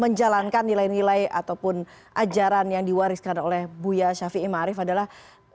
untuk menjalankan nilai nilai ataupun ajaran yang diwariskan oleh buya syafiq ima arief adalah